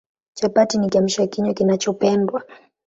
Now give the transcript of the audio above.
Chapati ni Kiamsha kinywa kinachopendwa